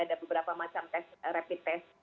ada beberapa macam rapid test